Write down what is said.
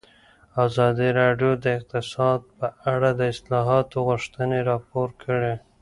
ازادي راډیو د اقتصاد په اړه د اصلاحاتو غوښتنې راپور کړې.